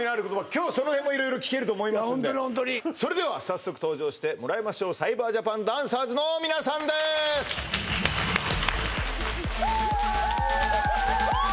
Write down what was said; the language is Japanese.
今日そのへんも色々聞けると思いますのでホントにホントにそれでは早速登場してもらいましょうサイバージャパンダンサーズの皆さんです・フウー！